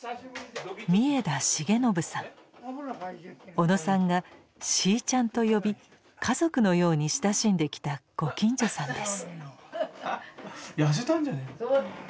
小野さんが「しいちゃん」と呼び家族のように親しんできたご近所さんです。